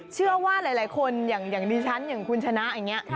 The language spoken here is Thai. เชื่อว่าหลายคนอย่างดิฉันอย่างคุณชนะอย่างนี้